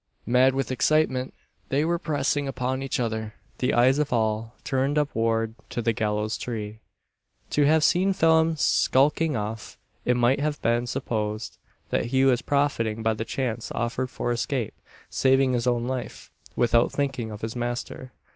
Mad with excitement, they were pressing upon each other the eyes of all turned upward to the gallows tree. To have seen Phelim skulking off, it might have been supposed, that he was profiting by the chance offered for escape saving his own life, without thinking of his master.